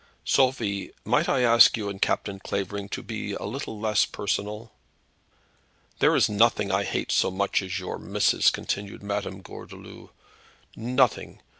"Sophie, might I ask you and Captain Clavering to be a little less personal?" "There is noting I hate so much as your meesses," continued Madame Gordeloup; "noting!